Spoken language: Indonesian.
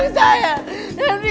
aku sudah menangis